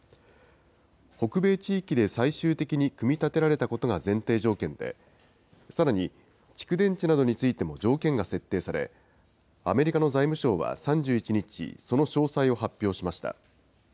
北米地域で最終的に組み立てられたことが前提条件で、さらに、蓄電池などについても条件が設定され、アメリカの財務省は３１日、その詳細を発表しました。